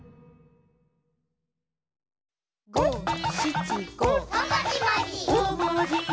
「ごしちご」「ごもじもじ」